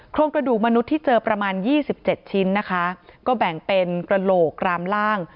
โครงกระดูกมนุษย์ที่เจอประมาณ๒๗ชิ้นนะคะก็แบ่งเป็นกระโหลกร้ามล่าง